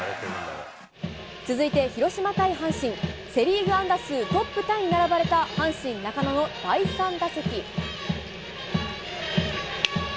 続いて広島対阪神、セ・リーグ安打数トップタイに並ばれた、阪神、中野の第３打席。